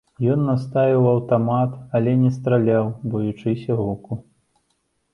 Ён наставіў аўтамат, але не страляў, баючыся гуку.